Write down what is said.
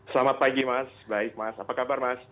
selamat pagi mas baik mas apa kabar mas